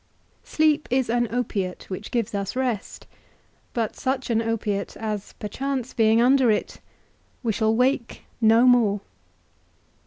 Sleep is an opiate which gives us rest, but such an opiate, as perchance, being under it, we shall wake no more.